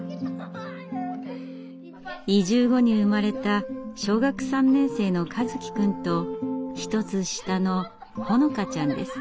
移住後に生まれた小学３年生の和希くんと１つ下の穂乃香ちゃんです。